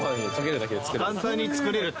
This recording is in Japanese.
簡単に作れるって。